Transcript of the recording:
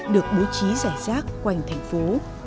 được bố trí rải rác quanh thành phố